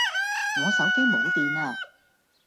我手機冇電呀